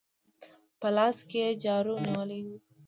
په لاس کې يې جارو نيولې وه.